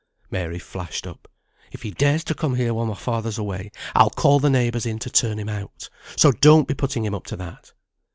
Mary flashed up. "If he dares to come here while father's away, I'll call the neighbours in to turn him out, so don't be putting him up to that."